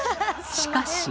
しかし。